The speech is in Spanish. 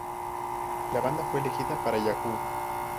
La banda fue elegida para Yahoo!